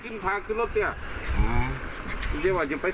ไม่เอาไม่พูด